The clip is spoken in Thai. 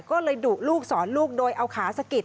ก็เลยดุลูกสอนลูกโดยเอาขาสะกิด